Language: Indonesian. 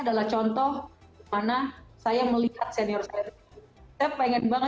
dan juga westernalling untuk hanyungat ok altah minijs sewa